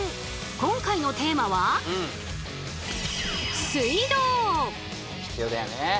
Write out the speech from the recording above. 今回のテーマは必要だよね。